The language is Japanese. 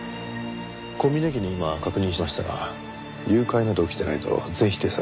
小峰家に今確認しましたが誘拐など起きていないと全否定されました。